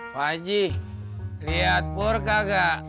haji liat purga gak